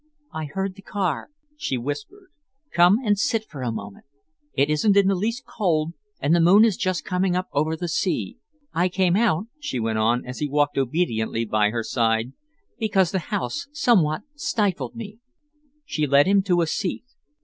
"I heard the car," she whispered. "Come and sit down for a moment. It isn't in the least cold, and the moon is just coming up over the sea. I came out," she went on, as he walked obediently by her side, "because the house somehow stifled me." She led him to a seat.